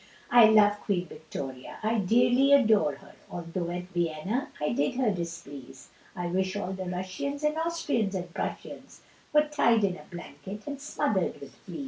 I love Queen Victoria, I dearly adore her, Although at Vienna I did her displease; I wish all the Russians and Austrians and Prussians Were tied in a blanket, and smothered with fleas.